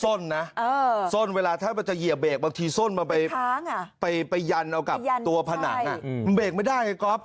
ส้นนะส้นเวลาถ้ามันจะเหยียบเบรกบางทีส้นมันไปยันเอากับตัวผนังมันเบรกไม่ได้ไงก๊อฟ